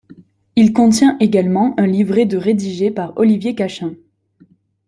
Il contient également un livret de rédigé par Olivier Cachin.